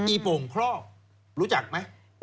ีโป่งครอบรู้จักไหม